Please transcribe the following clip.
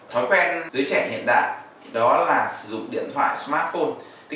thói quen giới trẻ hiện đại đó là sử dụng điện thoại smartphone